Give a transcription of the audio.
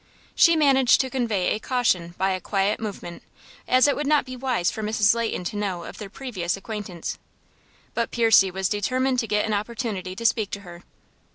She managed to convey a caution by a quiet movement, as it would not be wise for Mrs. Leighton to know of their previous acquaintance. But Percy was determined to get an opportunity to speak to her.